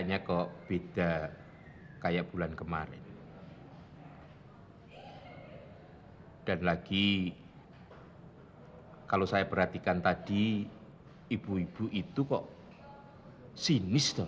sampai jumpa di video selanjutnya